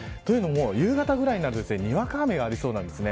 夕方くらいなるとにわか雨がありそうなんです。